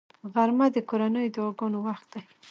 غرمه د کورنیو دعاګانو وخت دی